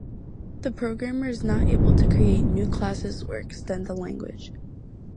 The programmer is not able to create new classes or extend the language.